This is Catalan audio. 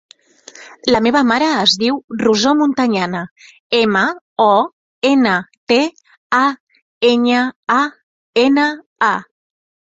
La meva mare es diu Rosó Montañana: ema, o, ena, te, a, enya, a, ena, a.